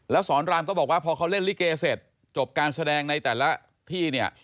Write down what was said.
แล้วสอนรามก็บอกว่าพอเขาเล่นลิเกเสร็จจบการแสดงในแต่ละที่เนี่ย